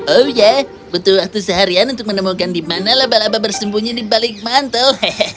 oh ya butuh waktu seharian untuk menemukan di mana laba laba bersembunyi di balik mantel